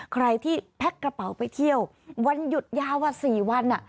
ใครที่แพ็คกระเป๋าไปเที่ยววันหยุดยาว๔วัน